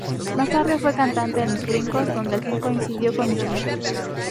Más tarde fue cantante en Los Brincos, donde al fin coincidió con Junior.